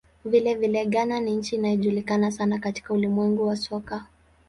Vilevile, Ghana ni nchi inayojulikana sana katika ulimwengu wa soka.